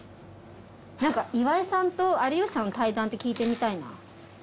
何か岩井さんと有吉さんの対談って聞いてみたいな。